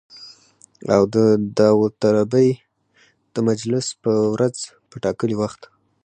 او د داوطلبۍ د مجلس په ورځ په ټاکلي وخت